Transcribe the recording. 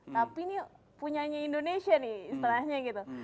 tapi nih punya indonesia nih istilahnya gitu